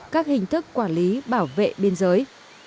các hình thức quản lý bảo vệ biên giới